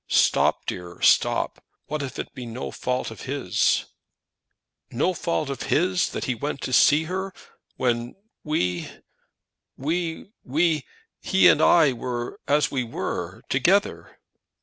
"Stop, dear; stop. What if it be no fault of his?" "No fault of his that he went to her when we we we he and I were, as we were, together!"